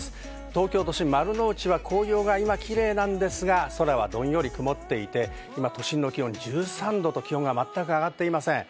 東京都心、丸の内は紅葉がキレイなんですが、空はどんより曇っていて、都心の気温は１３度と全く上がっていません。